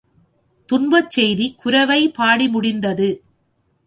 துன்பச் செய்தி குரவை பாடி முடிந்தது.